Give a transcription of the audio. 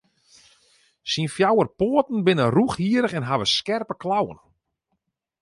Syn fjouwer poaten binne rûchhierrich en hawwe skerpe klauwen.